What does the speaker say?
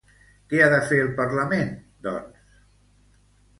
Què ha de fer el Parlament, doncs?